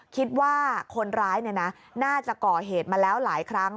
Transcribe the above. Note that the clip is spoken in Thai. คิดว่าคนร้ายน่าจะก่อเหตุมาแล้วหลายครั้ง